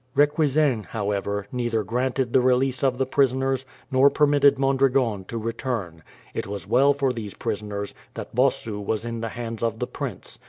Requesens, however, neither granted the release of the prisoners, nor permitted Mondragon to return. It was well for these prisoners, that Bossu was in the hands of the prince.